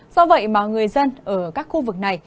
do vậy mà người dân ở các khu vực này